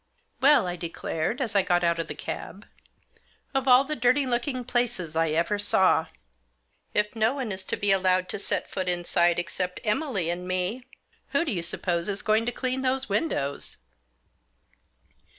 " Well," I declared as I got out of the cab, " of all the dirty looking places I ever saw ! If no one is to be allowed to set foot inside except Emily and me, who do you suppose is going to clean those windows